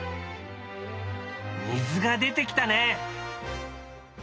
水が出てきたね。